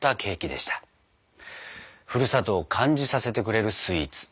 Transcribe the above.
ふるさとを感じさせてくれるスイーツ